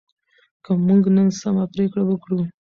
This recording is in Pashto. که موږ نن سمه پریکړه وکړو.